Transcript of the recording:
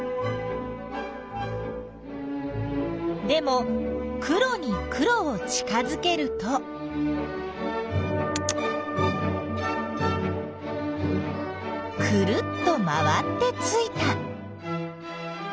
でも黒に黒を近づけるとくるっと回ってついた。